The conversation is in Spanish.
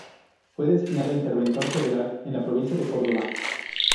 Fue designado interventor federal en la provincia de Córdoba.